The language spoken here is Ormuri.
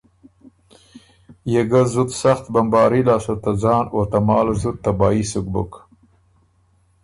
يې ګۀ زُت سخت بمباري لاسته ته ځان او ته مال زُت تبايي سُک بُک۔